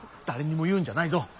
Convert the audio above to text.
誰にも言うんじゃないぞ。